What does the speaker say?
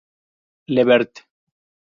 Le Vert